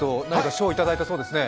賞をいただいたそうですね。